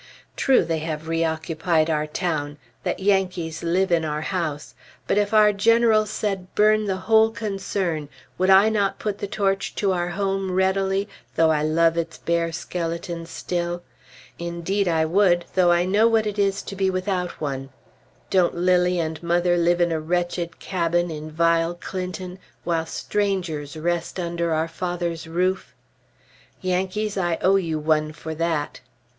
True they have reoccupied our town; that Yankees live in our house; but if our generals said burn the whole concern, would I not put the torch to our home readily, though I love its bare skeleton still? Indeed I would, though I know what it is to be without one. Don't Lilly and mother live in a wretched cabin in vile Clinton while strangers rest under our father's roof? Yankees, I owe you one for that!